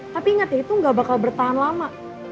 tapi ingat itu gak bakal bertahan lama